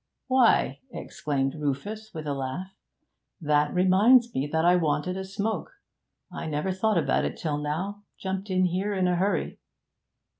'Why,' exclaimed Rufus, with a laugh, 'that reminds me that I wanted a smoke. I never thought about it till now; jumped in here in a hurry.'